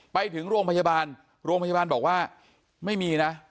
ไปถึงโรงพยาบาลโรงพยาบาลบอกว่าไม่มีนะ